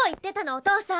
お父さん。